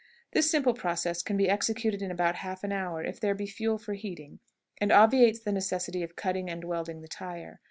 This simple process can be executed in about half an hour if there be fuel for heating, and obviates the necessity of cutting and welding the tire.